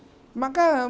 maka mereka akan menghukum